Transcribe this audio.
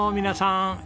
皆さん。